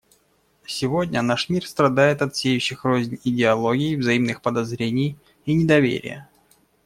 Сегодня наш мир страдает от сеющих рознь идеологий, взаимных подозрений и недоверия.